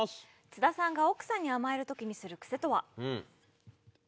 津田さんが奥さんに甘える時にする癖とは？